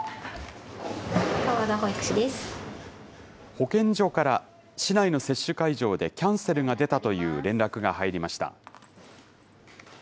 保健所から市内の接種会場でキャンセルが出たという連絡が入りました。